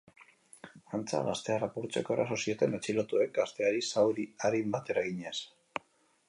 Antza, gaztea lapurtzeko eraso zioten atxilotuek, gazteari zauri arin bat eraginez.